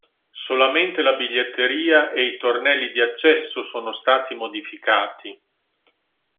Solamente la biglietteria e i tornelli di accesso sono stati modificati.